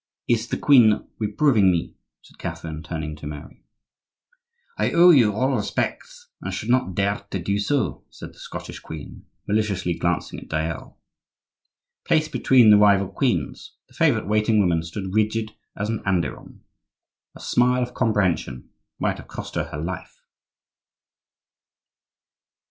"Is the queen reproving me?" said Catherine, turning to Mary. "I owe you all respect, and should not dare to do so," said the Scottish queen, maliciously, glancing at Dayelle. Placed between the rival queens, the favorite waiting woman stood rigid as an andiron; a smile of comprehension might have cost her her life.